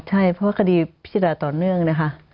ใช่เพราะคดีพิจารณาต่อเนื่องนะคะ